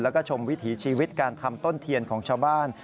แล้วก็ชมวิถีชีวิตการทำต้นเทียนของชาวบ้าน